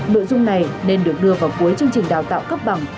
nội dung này nên được đưa vào cuối chương trình đào tạo cấp bằng